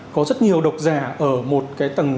có rất nhiều độc giả ở một cái tầng